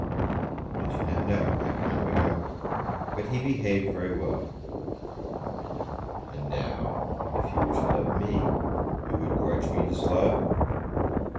"I do not know. I cannot remember. But he behaved very well." "And now, if he were to love me, you would grudge me his love?"